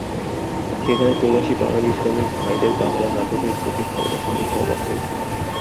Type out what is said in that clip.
সেখানে প্রবাসী বাঙালি শ্রমিক ভাইদের বাংলা নাটকের প্রতি ভালোবাসা দেখে অবাক হয়েছি।